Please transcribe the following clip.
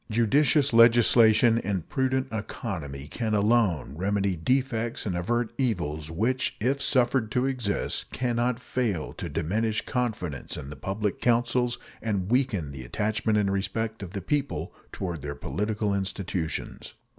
Judicious legislation and prudent economy can alone remedy defects and avert evils which, if suffered to exist, can not fail to diminish confidence in the public councils and weaken the attachment and respect of the people toward their political institutions.